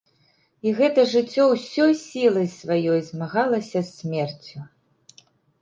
І гэта жыццё ўсёй сілай сваёй змагалася з смерцю.